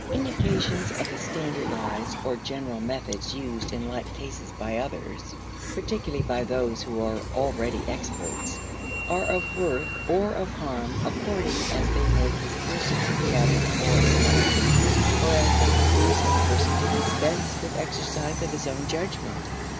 Indications of the standardized or general methods used in like cases by others particularly by those who are already experts are of worth or of harm according as they make his personal reaction more intelligent or as they induce a person to dispense with exercise of his own judgment.